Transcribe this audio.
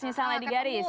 misalnya di garis